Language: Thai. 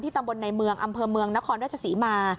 ที่ตำบลในเมืองอำเภอเมืองนครวัชฌาษีมา